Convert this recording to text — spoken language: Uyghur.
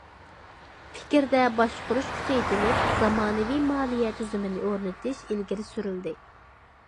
پىكىردە باشقۇرۇش كۈچەيتىلىپ، زامانىۋى مالىيە تۈزۈمىنى ئورنىتىش ئىلگىرى سۈرۈلدى.